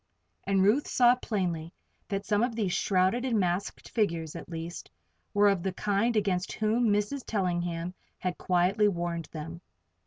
And Ruth saw plainly that some of these shrouded and masked figures, at least, were of the kind against whom Mrs. Tellingham had quietly warned them.